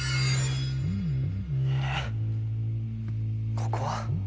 ここは？